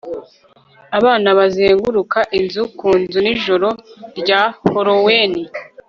Abana bazenguruka inzu ku nzu nijoro rya Halloween